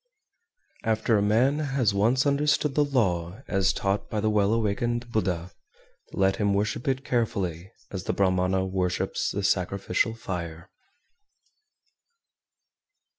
392. After a man has once understood the law as taught by the Well awakened (Buddha), let him worship it carefully, as the Brahmana worships the sacrificial fire.